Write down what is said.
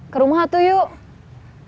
ke rumah tuh yuk